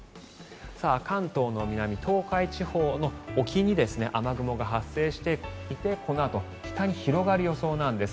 関東の南、東海地方の沖に雨雲が発生していてこのあと北に広がる予想なんです。